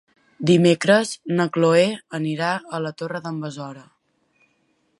Dimecres na Cloè anirà a la Torre d'en Besora.